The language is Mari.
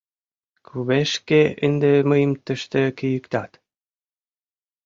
Кувешке ынде мыйым тыште кийыктат?